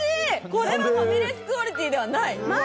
これはファミレスクオリティーではない！